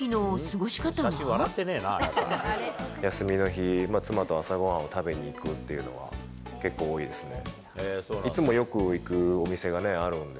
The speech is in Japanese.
休みの日、妻と朝ごはんを食べにいくっていうのは、結構多いですね。